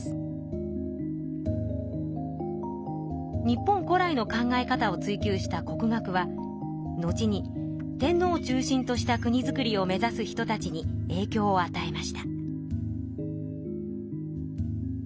日本古来の考え方を追究した国学は後に天皇を中心とした国造りを目ざす人たちにえいきょうをあたえました。